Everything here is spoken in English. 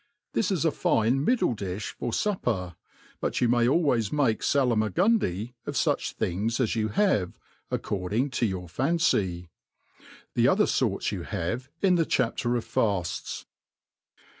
This i$ a fine middle di(h forTupper ; but you may always naatop falmagundy of fuch things as you have, According^ to yout fiQcy.'^ The other forts you have in the Chapter of Fafts.